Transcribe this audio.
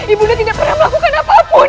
ibunda tidak pernah melakukan apapun